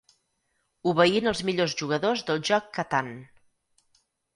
Obeint els millor jugadors del joc Catán.